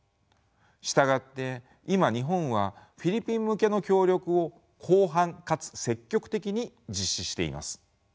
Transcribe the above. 従って今日本はフィリピン向けの協力を広範かつ積極的に実施しています。